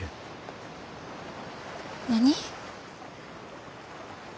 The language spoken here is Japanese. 何？